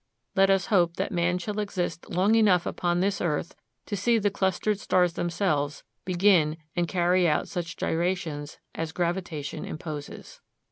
Let us hope that man shall exist long enough upon this earth to see the clustered stars themselves begin and carry out such gyrations as gravitation imposes.